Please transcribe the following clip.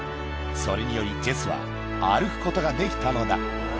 それによりジェスは歩くことができたのだ。